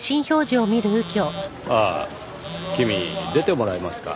ああ君出てもらえますか？